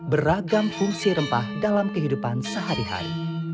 beragam fungsi rempah dalam kehidupan sehari hari